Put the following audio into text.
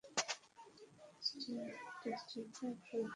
Test ক্রিকেটে আফগানিস্তানের প্রথম উইকেট লাভের সাথে স্বীয় নামকে জড়িয়ে নেন।